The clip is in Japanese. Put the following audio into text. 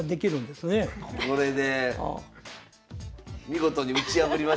これで見事に打ち破りました。